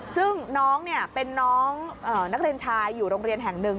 ซึ่งน้องเป็นน้องนักเรียนชายอยู่โรงเรียนแห่งหนึ่ง